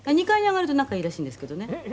「２階に上がると仲いいらしいんですけどね」